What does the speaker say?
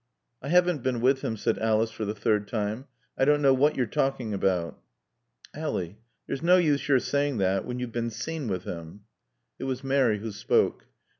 "I haven't been with him," said Alice for the third time. "I don't know what you're talking about." "Ally there's no use your saying that when you've been seen with him." It was Mary who spoke.